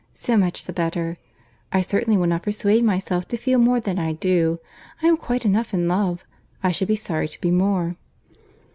So much the better. I certainly will not persuade myself to feel more than I do. I am quite enough in love. I should be sorry to be more."